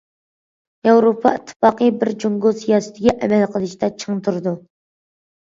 ياۋروپا ئىتتىپاقى بىر جۇڭگو سىياسىتىگە ئەمەل قىلىشتا چىڭ تۇرىدۇ.